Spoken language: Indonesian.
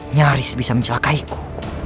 nyaris bisa mencelakaiku